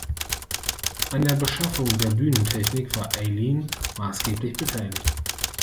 An der Beschaffung der Bühnentechnik war Eileen maßgeblich beteiligt.